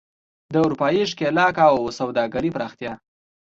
د اروپايي ښکېلاک او سوداګرۍ پراختیا.